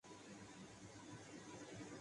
آپ کی آفس میں کام کرتے ہیں۔